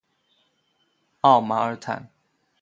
奥马尔坦。